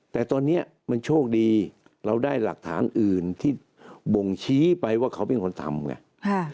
แต่ตอนนี้มันโชคดีเราได้หลักฐานอื่นที่บ่งชี้ไปว่าเขาเป็นคนทำไง